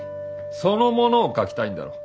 そのものを描きたいんだろう。